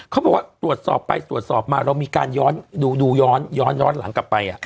เขาบอกว่าตรวจสอบไปตรวจสอบมาเรามีการย้อนดูย้อนหลังกลับไป